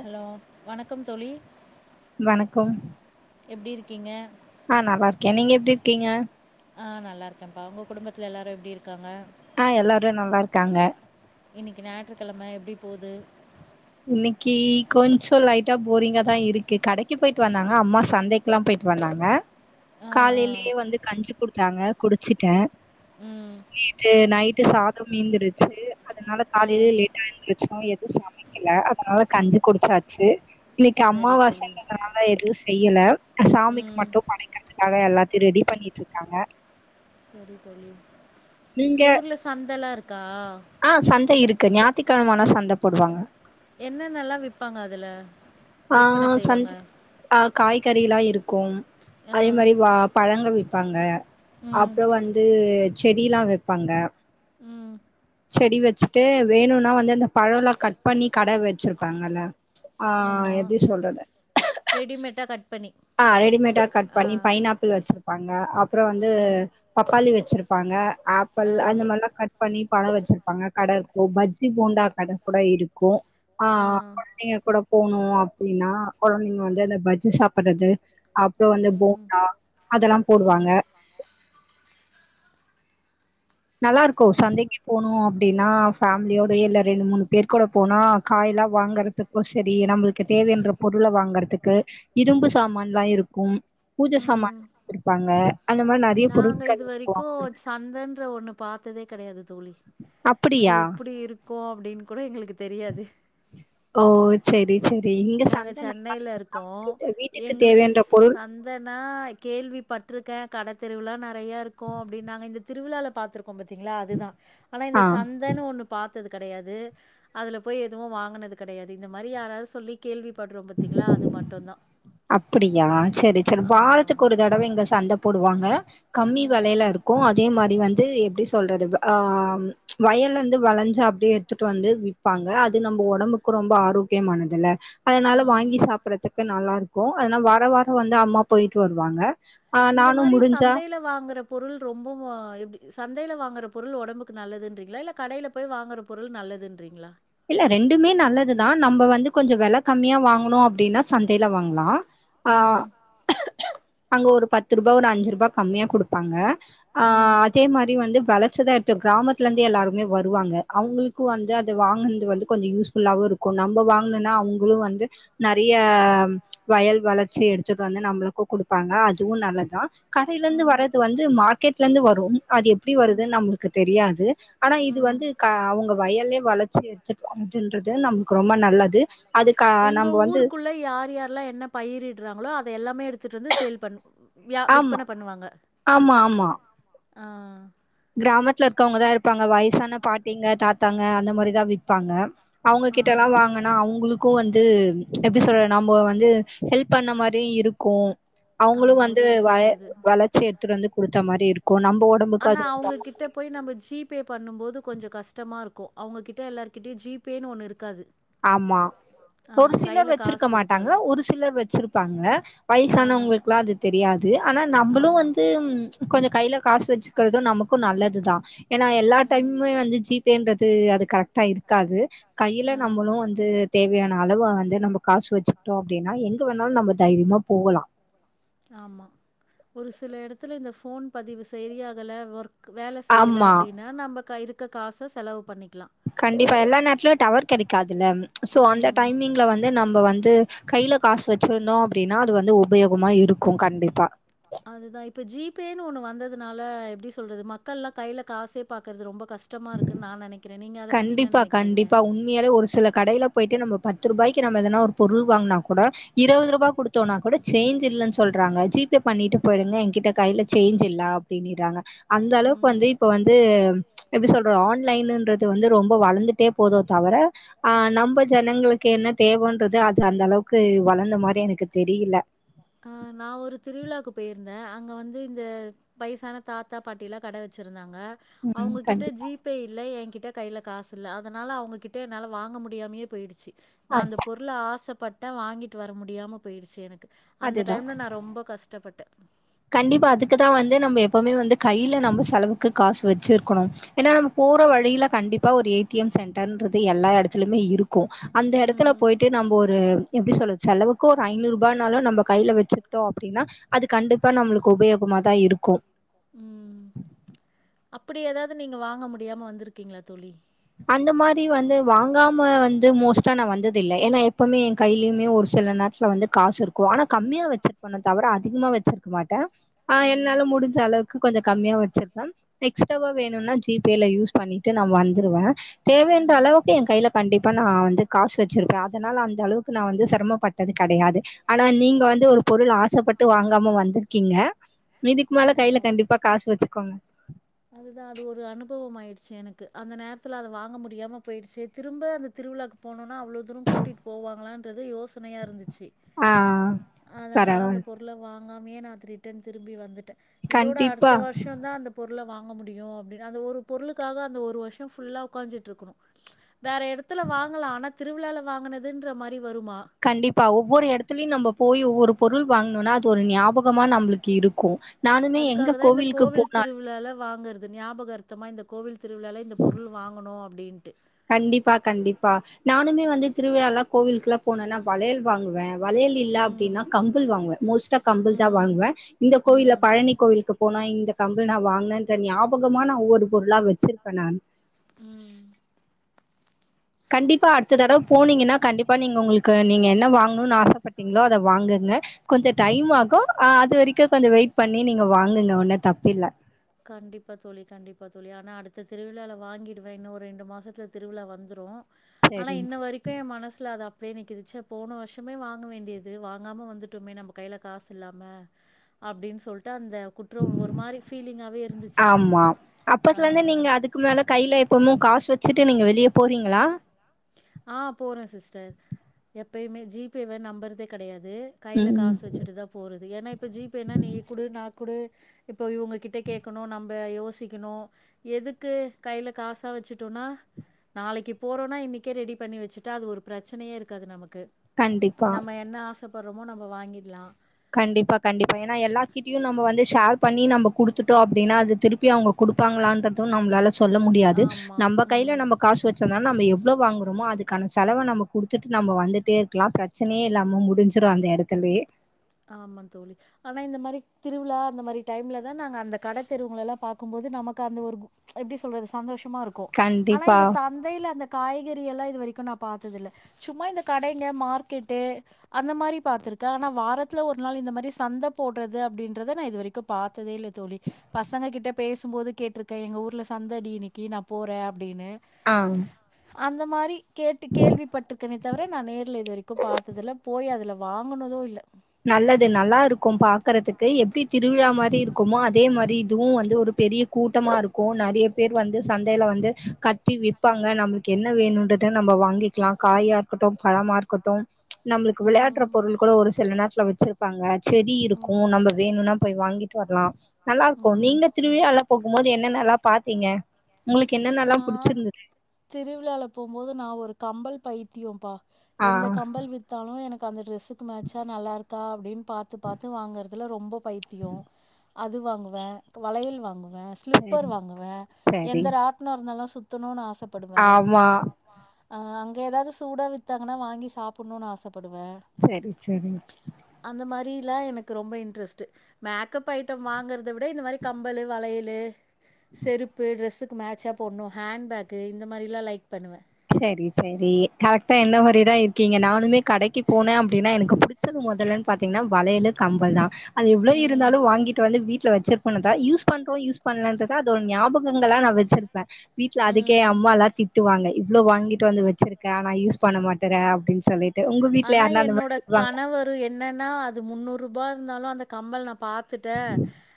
Hello வணக் கம் தோழி வணக்கம் எப்டி இருக்கீங்க ஆ நல்லாருக்கே நீங்க எப்டி இருக்கீங்க ஆ நல்லாருக்கேபா உங்க குடும்பத்துல எல்லாரு எப்டி இருக்காங்க ஆ எல்லாரு நல்லாருக்காங்க இன்னிக்கி ஞாய்ற்றுகழம எப்டி போது இன்னிக்கி கொஞ்சோ லைட்டா போரிங்கா தா இருக்கு கடைக்கு போய்ட்டு வந்தாங்க அம்மா சந்தைக்குலா போய்ட்டு வந்தாங்க ஆ காலேலியே வந்து கஞ்சி குடுத்தாங்க குடிச்சுட்டே ஆ ம் நேத்து நைட்டு சாதொ மீந்துருச்சு அதனால ஆ காலைல லேட்டா எந்துருச்சோ எதும் சமை கல அதனால கஞ்சி குடிச்சாச்சு இன்னிக்கி சரி தோழி அம்மாவாசங்கறதுனால எது செய்யல அ சாமிக்கு ம் மட்டும் படைக்கற்து காக எல்லாத்தியு ரெடி பண்ணிட்ருக்காங்க செரி தோழி உங்க ஊர்ல சந்தலா இருக் ஆ சந்த இருக்கு ஞா திக்கழமானா சந்த போடுவாங்க என்னென்னலா விப்பாங்க அதுல விற்பன செய்வாங்க கறிலா இருக்கும் ஆ அதே மாரி வா பழங்க விப் பாங்க ம் அப்றோ வந்து செடிலா வெப்பாங்க ம் செடி வெச்சுட்டு வேணுனா வந்து அந்த பழொலா கட் பண்ணி கட வெச்சுருப்பாங்கல்ல ஆம்மா ரெடிமேட்டா கட் பண்ணி ஆ ரெடிமேடா கட் ஆ பண்ணி பைனாப்பிள் வெச்சுருப்பாங்க அப்புறோ வந்து ம் பப்பாளி வெச்சுருப் பாங்க ஆப்பிள் ஆ அந்த மாரிலா கட் பண்ணி பழொ வெச்சுருப்பாங்க கட இருக்கும் பஜ்ஜி போண்டா கட கூட இருக்கும் ஆ அ [unintelligible] கூட போணு அப்டினா கொழந்தைங்க வந்து அந்த பஜ்ஜி சாப் பட்டது அப்றோ வந்து ம் போண்டா அதெல்லாம் போடுவாங்க நல்லா இருக்கோ ஓ சந்தைக்கு போனும் அப்டின்னா ஃபேம்லியோடு எல்லா ரெண்டு மூனுப் பேர் கூட போனா காய்ல்லாம் வாங்குறதுக்கு செரி நம்முளுக்கு தேவைன்ற பொருள வாங்குறதுக்கு இரும்பு சாமான்ல்லாம் இருக்கும் பூஜ சாமான் ம் [inaudible] அந்த மாரி நறைய நாங்க பொருட்களு [inaudible] பாத்ததேக் கெடையாது தோழி அது எப்புடி இருக் கும் அப்டின்னு கூட எங்களுக்குத் தெரியாது செரி நாங்க சென்னையில இருக்கோம் இருக்கு. வீட்டுக்கு எங்களுக்கு ஸ் தேவைன்ற பொருள் சந்தன்னா கேள்வி பட்ரிக்கே கட தெருவுளா நறையாருக்கும் அப்டின்னாங்க இந்த திருவிழாளப் பாத்துருப் போம் பாத்தீங்களா அதுதா ஆனா இந்த ஆ. சந்தனு ஒன்னு பாத் தது கெடயாது அதுல போய் எதுவும் வாங்குனது கெடயாது இந்த மாரி யாராவது சொல்லிக் கேள்விப் பட்றோம் பாத்தீங்களா அது மட்டுந்தா அப்புடியா செரி செர் ஆமா ஆமா வாரத்துக்கு ஒரு தடவை இங்க சந்தப் போடுவாங்க கம்மி ம் வெலெயில இருக்கு அதே மாரி வந்த் து எப்டி சொல்றது வ ஆஹ் வயலந்து வெளஞ்சி அப்டியே எட்த்துட்டு வந்து விப்பாங்க அது நம்ப ஒடம்புக்கு ரொம்ப ஆரோக்கியமானதுல்ல அதனால ஆ வாங்கி சாப்புறத்துக்கு நல்லா இருக் கும் அதுனா வார வாரம் வந்து அம்மா போயிட்டு வருவாங்க ஆ இந்த நானும் மாரி முடிஞ்சா சந்தேல வாங்குறப் பொருள் ரொம்போ ஆஹ் எப்டி சந்தேய்ல வாங்கெற பொருள் ஒடம்புக்கு நல்லதுன்றிங்களா இல்ல கடேல போய் வாங்கெற பொருள் நல்லதின்றிங்களா இல்ல ரெண்டுமே நல்லதுதான் நம்ப வந்து கொஞ்சோ வெல கம்மியா வாங்கணு அப்டின்னா சந்தையில வாங்லா ம் ஆஹ் அங்க ஒரு பத்து ரூபா ஒரு அஞ்சு ரூபா கம்மியாக குடுப்பாங்க ம் ஆஹ் அதே மாரி வந்து வெல ச்சதா எடுத் கிராமத்துலெந்து எல்லாருமே வருவாங்க அவ்ங்ளுக்கு வந்து அது வாங்குன்து வந்து கொஞ்சோ யூஸ்ஃபுல்லாவு இருக்கு நம்ப வாங்ணுன்னா அவ்ங்குளு வந்து நெற்ய ஆஹ் வயல் வளர்ச்சி எடுத்துட்டு வந்து நம்ப்ளுக்கு குடுப்பாங்க அதுவும் நல்லதான் கடையிலருந்து ம் வர்றது வந்து மார்க்கெட்லேந்து வரும் அது எப்டி வருதுன்னு ம் நம்ளுக்கு தெரியாது ஆனா இது ம் வந்து கா அவ்ங்க வயலே வளப் செ செர் [unintelligible] ந்துன்றது நம்ளுக்கு ரொம்ப நல்லது அதுக்கா உங்க நம்ம வந்து ஊருக்குள்ள யார் யாரெல்லா என்ன பயிரிடறாங்களோ அந் இத எல்லாமே எடுத்துட்டு வந்து சேல் பண் வியா ஆமா விற்பன ஆமா ஆமா ஆஹ் கிராமத்துல இருக்கவங்கதா இருப்பாங்க வய்சான பாட்டிங்க தாத்தாங்க அந்த மாரிதா விற்பாங்க அவுங்க ஆ கிட்ட எல்லா வாங்கனா அவுங்களுக் க்கு வந்து எப்டி சொல்ற நாம வந்து ஹெல்ப் பண்ண மாரி இருக்கு அவுங்குளு ஆமா வந்து உதவி வ செய்யறது. வளர்ச்சி டை திருந்து குடுத்த மாரி இருக்கு ப்போ நம்ம ஓடம்புக்கு அது உங்ககிட்ட போய் நம்ம ஜிபே பண்ணும்போது கொஞ்சோ கஷ்டமா இருக்கு அவ்ங்க கிட்ட எல்லார் கிட்டயு ஜிபேன்னு ஒன்னு இருக்காது ஆமா ஆ ஒரு சிலர் கையில வச்சிருக்க காசு மாட்டாங்க குடுத்தாதா. ஒரு சிலர் வச்சிருப்பாங்க ஆ வய்சானவங்களுக்கெல்லா அது தெரியாது ஆனா நம்மளு ஆமா வந்து ம் கொஞ்சோ கையில காசு வச்சுக்கிறது நமக்கு நல்லதுதா ஏனா எல்லா ம் டைமுமே வந்து ஜீபேன்றது து அது கரெக்டா இருக்காது கைல ஆ நம்மளு வந்து தேவையான அளவு வந்து நம்ம காசு வச்சுக்கிட்டோ அப்டின்னா எங்க வேணாலு நம்ம தைரியமா போகலா ஆமா ஒரு சில இடத்துல இந்த போன் பதிவு செரியாகல ஒர்க் வேல செய்யல ஆமா அப்டின்னா நம்ம கைரு க காச செலவு பண்ணிக் கண்டிப்பா எல்லா நேரத்துலுயு டவர் கிடைக்காதுல்ல சோ அந்த ம் டைமிங்ல வந்து நம்ப வந் து கைல காசு வச்சிருந்தோ அப்டின்னா அது வந்து உபயோகமா இருக்கு கண்டிப்பா அதுதா இப்ப ஜி பேன்னு ஒண்ணு வந்ததுனால எப்டி சொல்றது மக்கள்லா கைல காசே பாக்றது ரொம்ப கஷ்டமா இருக்குன்னு நா நெனைக் கண்டிப்பா கண்டிப்பா உண்மையாலே ஒரு சில கடையில போயிட்டு நம்ம பத்து ரூபாய்க் கு நம்ம எதனா ஒரு பொருள் வாங்கனா கூட இருவது ரூபா குடுத்தோனா கூட சேஞ்ச் இல்லன்னு சொல்றாங்க ஜி பே பண்ணிட்டு போய்டுனுங்ங எகிட்ட கைல சேஞ்ச் இல்ல அப்டின்னுறாங்க அந்த அளவுக்கு வந்து இப்ப வந்து எப்டி சொல்ற ஆண் லைனுன்ற து வந்து ரொம்ப வளந்துட்டே போதோ தவர ஆஹ் நம்ப ஜனங்களுக்கு என்ன தேவன்றது அது அந்த அளவுக்கு வளந்த மாரி எனக்கு தெரியில ஆஹ் நா ஒரு திருவிழாக்கு போயிருந்தே அங்க வந்து இந்த வயசான தாத்தா பாட்டில்லா கட வச்சிருந்தாங் க ம். அவுங்ககிட்ட கண்டிப்பா. ஜி பே இல்ல எ கிட் ட கைல காசு இல்ல அதனால அவங்ககிட்ட என்னால வாங்க முடியாமயே போயிடுச்சு நா அத் அந்த பொருள ஆசப் பட்ட வாங்கிட்டு வர முடியாம போயிடுச்சு எனக்கு அந்த அதுதான். டைம்ல நா ரொம்ப கஷ்டப்பட்டே கண்டிப்பா அதுக்குதா வந்து நம்ம எப்பவுமே வந்து கைல நம்ம செலவு க்கு காசு வெச்சிருக்கனு ஏன்னா போற வழில கண்டிப்பா ஒரு ஏ டி எம் சென்டர்ன்றது எல்லா எடத்துலயுமே இருக்கு அந்த எடத்துல ம் போய்ட்டு நம்ப ஒரு எப்டி சொல்றது செலவுக்கு ஒரு ஐந்நூறுபானாலு நம்ப கைல வெச்சுக்கிட்டோ அப்டின்னா அது கண்டிப் ப்பா நம்ளுக்கு உபயோகமாதா இருக்கு உம் அப்டி ஏதாவது நீங்க வாங்க முடியாம வந்திருக்கீங்களா தோழி அந்த மாரி வந்து வாங்காம வந்து மோஸ்ட்டா நா வந்தது இல்ல. ஏன்னா எப்பவுமே எ கைலயுமே ஒரு சில நேரத்துல வந்து காசு இருக்கு. ஆனா கம்மியா வச்சிருப்பனே தவிர அதிகமா வெச்சிருக்க மாட்டே ஆஹ் ம் என்னால முடிஞ்ச அளவுக்கு கொஞ்சொ கம்மியா வெச்சிருந்தாலும் எக்ஸ்ட்ராவா வேணுனா ஜி பேல யூஸ் பண்ணிட்டு நா வந் துருவ தேவைன்ற அளவுக்கு எ கைல கண்டிப்பா நா வந்து காசு வெச்சிருக்கே. அதனால அந்த அளவுக் நா வந்து செரமப்பட்டது கெடையாது. ஆனா நீங்க வந்து ஒரு பொருள் ஆசப்பட் டு வாங்காம வந்திருக்கீங்க. இதுக்கு மேல கைல ஆமாப்பா கண்டிப்பா காசு வெச்சுக்கோங்க ட்ச்சு எனக்கு. அந்த நேரத்துல அத வாங்க முடியாம போயிடுச்சு. திரும்ப அந்த திருவிழாக்கு போனுனா அவ்ளோ தூரொ கூட்டிட்டு போவாங்களான்றது யோச் சணையா இருந்துச்சு. ஆ அதனால அந்த பரவால் பொருள வாங் காமயே நா ரிட்டன் திரும்பி வந்துட் ட்டே. இதோட அடுத்த கண்டிப்பா வருஷொ தா அந்த பொருள வாங் க முடியு அப்டின்னு. அந்த ஒரு பொருளுக்காக அந்த ஒரு வருஷொ ஃபுல்லா உக்காஞ்சிட்டு இருக்கனு வேற எடத்துல வாங்கலா ஆனா திருவிழால வாங்குனுதுன்ற மாரி வருமா? கண்டிப்பா ஒவ்வொரு எடத்துலயு நம்ம போய் ஒவ்வொருப் பொருள் வாங்கனுனா அது ஒரு ஞாபகமா நம்புளுக்கு இருக்கு அதுக்காக தா இந்த கோவில் திருவிழால வாங்கறது ஞாபகார்த்தமா இந்த கோவில் திருவிழால இந்த பொருள் வாங்கணு அப்டின் கண்டிப்பா கண்டிப்பா நானுமே வந்து திருவிழாலா கோவிலுக்கெல்லா போனன்னா வளையல் வாங்குவேன் வளையல் இல்ல ம். அப்படின்னா கம்பல் வாங்குவேன். மோஸ்ட்டா கம்பல் தான் ம். வாங்குவேன். இந்த கோவில்ல ம். பழனி கோவிலுக்கு போனா இந்த கம்பல் நான் வாங்குனேன்ற ஞாபகமா நான் ஒவ்வொரு பொருளா வெச்சிருக்கேன் நானு உம் கண்டிப்பா அடுத்த தடவை போனீங்கன்னா கண்டிப்பா நீங்க உங்களுக்கு நீங்க என்ன வாங்கணும்னு ஆசைப்பட்டீங்களோ அத வாங்குங்க. கொஞ்சம் டைம் ஆகும்ஹ் அது வரைக்கும் கொஞ்சம் வெயிட் பண்ணி நீங்க வாங்குங்க ஒண்ணும் தப்புல்ல கண்டிப்பா தோழி கண்டிப்பா தோழி. ஆனா அடுத்த திருவிழால வாங்கிடுவேன். இன்னும் ஒரு ரெண்டு மாசத்துல திருவிழா வந்துடும் ஆனா சரி இன்ன வரைக்கும் என் மனசுல அது அ அப்படியே நிக்குது. ச்செ போன வருஷமே வாங்க வேண்டியது வாங்காம வந்துட்டமே. நம்ம கைல காசு இல்லாம அப்படின்னு சொல்ட்டு அந்த குற்ற ஒரு மாரி ஃபீலி்ங் ஆமா அப்பத்துல இருந்து நீங்க அதுக்கு மேல கைல இப்பமும் காசு வெச்சுட்டு நீங்க வெளியே போறீங்களா? ஆஹ் போறேன் சிஸ்டர். எப்பயுமே ஜிபே வே நம்பறதே கெடையா து கைல ம் காசு வெச்சுட்டு தான் போறது, ஏன்னா இப்ப ஜிபே நீ குடு நா கு குடு. இப்ப இவுங்ககிட்ட கேக்கணும் நம்ம யோசிக்கணும் எதுக்கு கைல காசா வெச்சுட்டோம்னா நாளைக்கு போறோனா இன்னைக் கே ரெடி பண்ணி வெச்சுட்டா அது ஒரு பிரச்சனையே இருக்காது நம க்கு. கண்டிப்பா நம்ம என்ன ஆசைப் பறமு நம்ம வாங்கிக்கலாம் கண்டிப்பா கண்டிப்பா ஏன்னா எல்லார் கிட்டயும் நம்ம வந்து ஷேர் பண்ணி நம்ம குடுத்துட்டோம் அப்படின்னா அது திருப்பி அவுங்க குடுப்பாங்களான்ன்றதும் நம்மளால சொ சொல்ல முடியாது ஆமா நம்ப கையில ம் நம்ம காசு வச்சிருந்த நம்ம எ எவ்ளோ வாங்குறோமோ அதுக்கான செலவ நம்ம குடுத்துட்டு நம்ம வந்துட்டே இருக்லா பிரச்னையே இல்லாம முடிஞ்சிடு அந்த எடத்துலே ஆமா தோழி ஆனா இந்த மாரி திருவிழா அந்த மாரி டைம்ல தா நாங்க அந்த கட தெருவுங்ளல்லா பாக்கு போது நமக்கு அந்த ஒரு ப்ளீச் எப்டி சொல்றது சந்தோஷ் மா இருக்கு ஆனா கண்டிப்பா இந்த சந்தையில அந்த காய்கறி எல்லா இது வரைக்கு நா பாத்ததில்ல ஜூம்மா இந்த கடைங்க மார்க்கெட்டு அந்த மாரி பாத்ருக்கே ஆனா வாரத் துல ஒரு நாள் இந்த மாரி சந்த போடுறது அப்டின்றத நா இது வரைக்கு பார்த்ததே இல்ல தோழி பசங்க கிட்ட பேசு போது கேட்ருக்கே எங்க ஊர்ல சந்த டி இன்னைக்கு நா போறே அப்டின்னு ஆஹ் அந்த மாரி கேட்டு கேள்விபட்ருக்கனே தவர நா நேர்ல இது வரைக்கு பாத்ததுல போய் அதுலா வாங்குனதோ இல்ல நல்லது நல்லா இருக்கு பாக்றதுக்கு எப்டி திருவிழா மாரி இருக்குமோ அதே மாரி இதுவு வந்து ஒரு பெரிய கூட்டமா இருக்கு நெறைய பேர் வந்து சந்தையில வந்து கத்தி விப்பாங்க நம்ளுக்கு என்ன வேணுன்றத நம்ம வாங்கிக்லா காயா இருக்கட்டு பழமா இருக்கட்டு நம்ளுக்கு விளையாட்டுற பொருள் விளையாடுற கூட ஒரு சில நேர சோ வச்சிருப்பாங்க செடி இருக்கு நம்ம வேணுனா போய் வாங்கிட்டு வர்லா நல்லா இருக்கு நீங்க திருவிழல்லா போகுபோது என்ன எனல்லா பாத்தீங்க உங்களுக்கு என்னென்னல்லா நா புடிச்சிருந்தது திருவிழால போ போது நா ஒரு கம்பல் பைத்தியோப்பா ஆ எந்த கம்பல் வித்தாலு எனக் காந்த ட்ரஸ் க்கு மேச்சா நல்லா இருக் தா அப்டின் பாத்து பாத்து வாங்றதுல ரொம்ப பைத்தியோ அது வாங்கு வ வளையல் வாங்கு வ ஸ்லிப்பர் சரி வாங்குவே சரி எந்த ராட் நல்லா சுத்தணுனு ஆச ஆமா ஆஹ அங்க ஏதாது சூட வித்தாங்கன்னா வாங்கி சாப்பபுடுணுனு ஆசப் படுவே சரி சரி அந்த மாரி ல எனக்கு ரொம்ப இன்ட்ரஸ்ட் மேக்கப் ஐட்டம் வாங்குறத் த விட இந்த மாரி கம்பலு வளையலு லே செருப்பு ட்ரெஸ்க் மேட்சாப் போட்னும் ஹேண்ட் பேக்கு இந்த மாரிலாம் லைக் பண்ணுவேன் சரி சரி கரெக்டா என்ன மாரிதான் இருக்கீங்க நானுமே கடைக்கு போனேன் அப்டின்னா எனக்கு புடிச்சது முதல்லன்னு பாத்தீங்கன்னா வளையலு கம்பல் தான் அது எவ்வளோ ம் இருந்தாலும் வாங்கிட்டு வந்து வீட் [unintelligible] யூஸ் பண்றோம் யூஸ் பன்லண்ட்ரது அது ஒரு ஞாபகங்களா நான் வச்சிருப் வீட்ல அதுக்கே ம் அம்மாலா திட்டுவாங்க இவ்ளோ வாங்கிட்டு வந்து வச்சிருக்க ஆனா யூஸ் பண்ண மாட்டுற அப்டின்னு சொல்லிட் ஆனா என்னோட கணவரும் என்னன்னா அது முன்னூறு ரூபா இருந்தாலும் அந்த கம்மல் நா பாத்துட்டேன்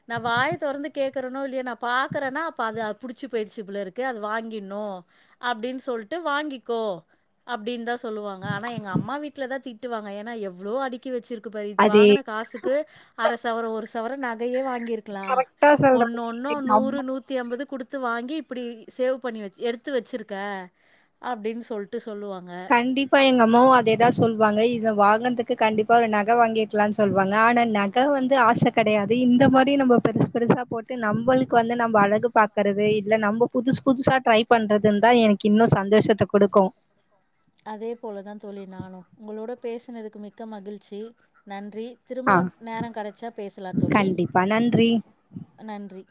நான் வாய தொறந்து கேக்குறேனோ இல்லையோ நான் பாக்கறன்னா அப்ப அது புடிச்சு போயிற்சி போல இருக்கு அது வாங்கினும் அப்படின்னு சொல்லிட்டு வாங்கிக்கோ அப்டின்னு தான் சொல்லுவாங்க ஆனா எங்க அம்மா வீட் திட்டுவாங்க ஏன்னா எவ்ளோ அடுக்கி வச்சிருக்க க்கு போய் இது அது வாங்குன காசுக்கு அரச சவரோ ஒரு சவரன் நகையே வாங்கி இருக்கலாம் கரெக்டா ஒன்னு ஒன்னு சொல்ற நூறு நூத்தி அம்பது குடுத்து வாங்கி இப்டி சேவ் பண்ணி எடுத்து வெச்சிருக்க அப்டின்னு சொல்டு கண்டிப்பா எங்க அம்மாவு அதேதா சொல்லுவாங்க இத வாங்கினதுக்கு கண்டிப்பா ஒரு நகை வாங்கிக்கலான்னு சொல்லுவாங்க ஆனா நகை வந்து ஆசை கெடையாது இந்த மாரி நம்ம பெருசு பெருசா போட்டு நம்மளுக்கு வந்து நம்ம அழகு பாக்குறது இல்ல நம்ம புதுசு புதுசா ட்ரை பண்றதுன்னு தா எனக்கு இன்னு சந்தோஷத்தை குடுக்கு அதே போலதா தோழி நானு உங்களோட பேசினதுக்கு மிக்க மகிழ்ச்சி நன்றி ஆ திரும்பவு நெரோ கெடைச்சா பேசலா தோழி கண்டிப்பா. நன்றி. நன்றி